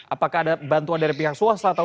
apakah ada bantuan dari pihak swasta